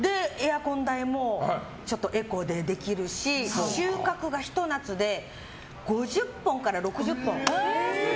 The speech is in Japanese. エアコン代もエコでできるし収穫がひと夏で５０本から６０本。